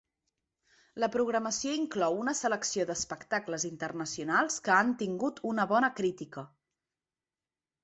La programació inclou una selecció d’espectacles internacionals que han tingut una bona crítica.